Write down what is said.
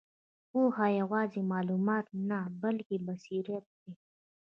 پوهه یوازې معلومات نه، بلکې بصیرت دی.